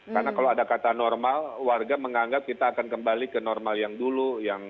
karena kalau ada kata normal warga menganggap kita akan kembali ke normal yang dulu